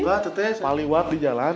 enggak teh paliwat di jalan